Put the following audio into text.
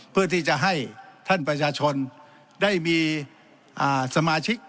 เพื่อที่จะให้ท่านประชาชนได้มีสมาชิก